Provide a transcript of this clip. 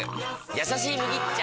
「やさしい麦茶」！